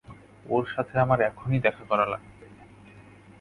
ওর সাথে আমার এক্ষুনি দেখা করা লাগবে।